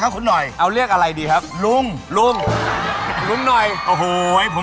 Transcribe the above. ครับผม